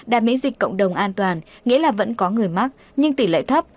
đã miễn dịch cộng đồng an toàn nghĩa là vẫn có người mắc nhưng tỷ lệ thấp